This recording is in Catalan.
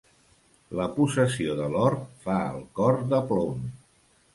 La possessió de l'or fa el cor de plom.